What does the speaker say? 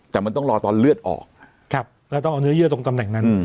แต่มันต้องรอตอนเลือดออกแล้วต้องเอาเนื้อเยื่อตรงตำแหน่งนั้น